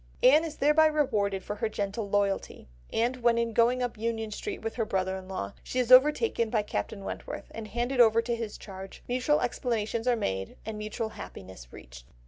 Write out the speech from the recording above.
Anne is thereby rewarded for her gentle loyalty, and when in going up Union Street with her brother in law she is overtaken by Captain Wentworth, and handed over to his charge, mutual explanations are made and mutual happiness reached.